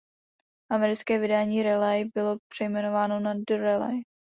Americké vydání "Relay" bylo přejmenováno na "The Relay".